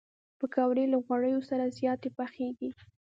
پکورې له غوړیو سره زیاتې پخېږي